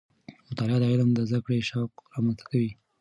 مطالعه د علم د زده کړې شوق رامنځته کوي.